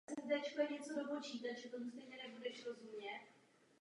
Působil jako profesor medicíny.